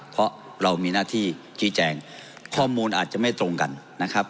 เพราะเรามีหน้าที่ชี้แจงข้อมูลอาจจะไม่ตรงกันนะครับ